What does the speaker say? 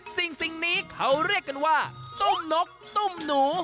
สิ่งนี้เขาเรียกกันว่าตุ้มนกตุ้มหนู